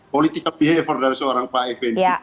political behavior dari seorang pak effendi